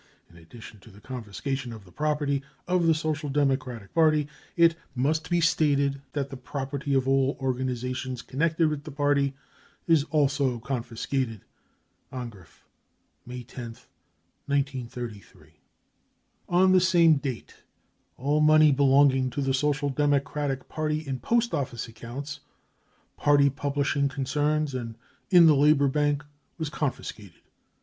In addition to the confiscation of the property of the Social Democratic Party, it must be staged that the property of all organisations con nected with the party is also confiscated. 55 * (Angriff , May 10th, 1933.) • On the same date all money belonging to the Social Democratic Party in Post Office accounts, party publishing 154 BROWN BOOK OF THE HITLER TERROR concerns and in the Labour Bank* was confiscated.